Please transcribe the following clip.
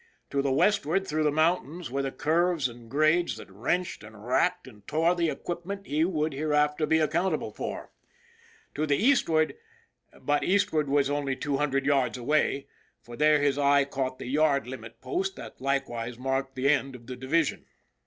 To the westward, through the mountains, were the curves and grades that wrenched and racked and tore the equipment he would hereafter be accountable for. To the eastward but " eastward " was only two hun dred yards away, for there his eye caught the " Yard Limit " post, that likewise marked the end of the division.